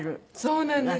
そうなんですよ。